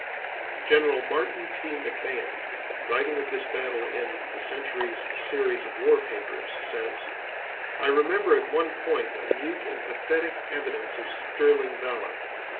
General Martin T. McMahon, writing of this battle in "The Century's" series of war papers, says: "I remember at one point a mute and pathetic evidence of sterling valor.